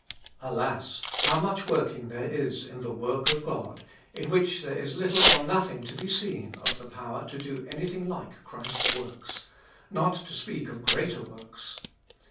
Alas ! how much working there is in the work of God, in which there is little or nothing to be seen of the power to do anything like Christ's works, not to speak of greater works.